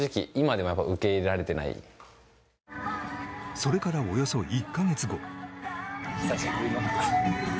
それからおよそ１か月後。